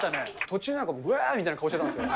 途中、なんか、うわーみたいな顔してたもんね。